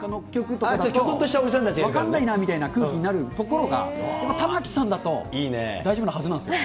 分かんないなみたいな空気になるところが、玉置さんだと大丈夫なはずなんですよ。